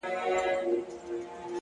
ستا زړه ته خو هر څوک ځي راځي گلي;